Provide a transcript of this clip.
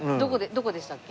どこでしたっけ？